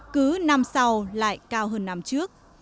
cứ năm sau lại cao hơn năm trước